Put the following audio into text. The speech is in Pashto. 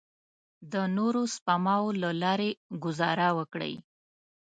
د نورو سپماوو له لارې ګوزاره وکړئ.